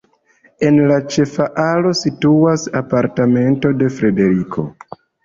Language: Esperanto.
En la ĉefa alo situas apartamento de Frederiko.